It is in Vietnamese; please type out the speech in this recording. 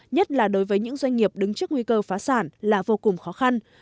nhất là đối với những doanh nghiệp đứng trước nguy cơ phá sản là vô cùng khó khăn